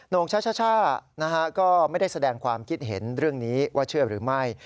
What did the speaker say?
งช่าก็ไม่ได้แสดงความคิดเห็นเรื่องนี้ว่าเชื่อหรือไม่